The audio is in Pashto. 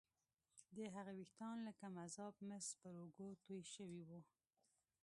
د هغې ويښتان لکه مذاب مس پر اوږو توې شوي وو